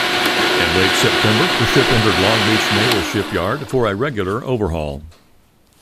In late September, the ship entered Long Beach Naval Shipyard for a regular overhaul.